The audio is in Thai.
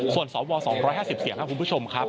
ส่วนสอบวอร์สองร้อยห้าสิบเสียนะครับคุณผู้ชมครับ